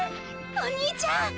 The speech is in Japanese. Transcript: お兄ちゃん！